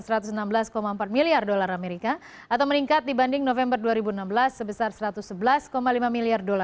pada tahun ini menurutnya ada empat indikator ekonomi indonesia yang meningkatkan rekomendasi saham indonesia